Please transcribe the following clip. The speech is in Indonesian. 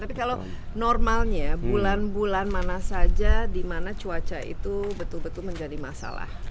tapi kalau normalnya bulan bulan mana saja di mana cuaca itu betul betul menjadi masalah